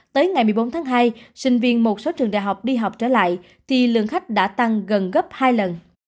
tới ngày một mươi bốn tháng hai sinh viên một số trường đại học đi học trở lại thì lượng khách đã tăng gần gấp hai lần